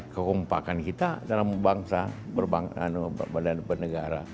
kekompakan kita dalam bangsa dan bernegara